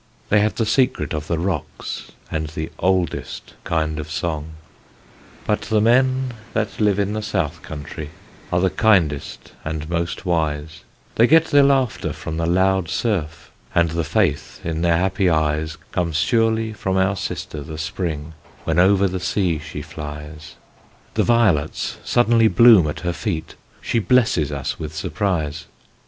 They have the secret of the Rocks, And the oldest kind of song. But the men that live in the South Country Are the kindest and most wise, They get their laughter from the loud surf, And the faith in their happy eyes Comes surely from our Sister the Spring, When over the sea she flies; The violets suddenly bloom at her feet, She blesses us with surprise.